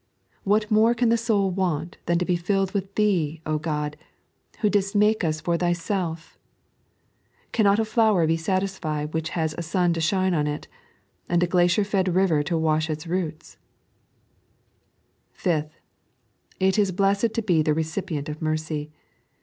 What more can the soul want than to be filled with Thee, God, who didst make us for Thyself ) Cannot a flower be satisfied which has a sun to shine on it, and a glader fed river to wash its roots % Fifth, it is blessed to be the recipient of merey.